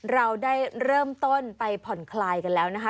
เราได้เริ่มต้นไปผ่อนคลายกันแล้วนะคะ